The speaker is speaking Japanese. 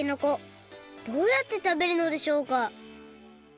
どうやってたべるのでしょうか？